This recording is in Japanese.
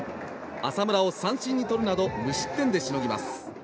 浅村を三振に取るなど２失点でしのぎます。